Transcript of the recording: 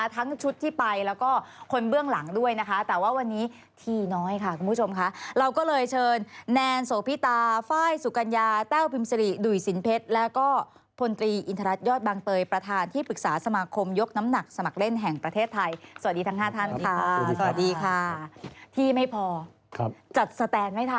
ทั้งชุดที่ไปแล้วก็คนเบื้องหลังด้วยนะคะแต่ว่าวันนี้ทีน้อยค่ะคุณผู้ชมค่ะเราก็เลยเชิญแนนโสพิตาไฟล์สุกัญญาแต้วพิมพ์สิริดุ่ยสินเพชรแล้วก็พลตรีอินทรัศนยอดบางเตยประธานที่ปรึกษาสมาคมยกน้ำหนักสมัครเล่นแห่งประเทศไทยสวัสดีทั้ง๕ท่านค่ะสวัสดีค่ะที่ไม่พอจัดสแตนไม่ทัน